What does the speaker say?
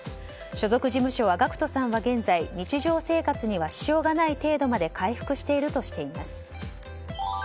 所属事務所はＧＡＣＫＴさんは現在日常生活には支障がない程度にまで回復しているとしています。